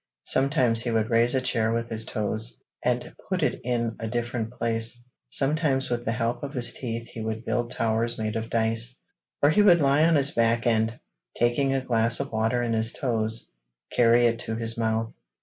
Sometimes he would raise a chair with his toes, and put it in a different place; sometimes with the help of his teeth he would build towers made of dice, or he would lie on his back and, taking a glass of water in his toes, would carry it to his mouth.